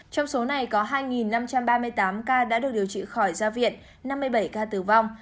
trong số này có hai năm trăm ba mươi tám ca đã được điều trị khỏi gia viện năm mươi bảy ca tử vong